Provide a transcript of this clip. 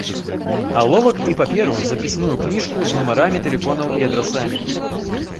Аловак і паперу, запісную кніжку з нумарамі тэлефонаў і адрасамі.